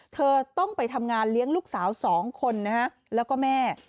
เธอต้องไปทำงานเลี้ยงลูกสาว๒คนนะฮะแล้วก็แม่